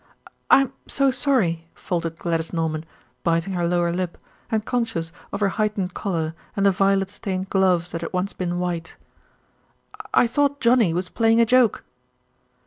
"I'm so sorry," faltered Gladys Norman, biting her lower lip, and conscious of her heightened colour and the violet stained gloves that had once been white. "I thought Johnnie was playing a joke."